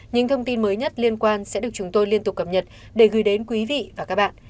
những thông tin mới nhất liên quan sẽ được chúng tôi liên tục cập nhật để gửi đến quý vị và các bạn